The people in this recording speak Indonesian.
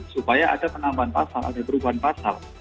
supaya ada penambahan pasal ada perubahan pasal